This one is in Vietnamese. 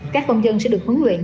các công dân sẽ được huấn luyện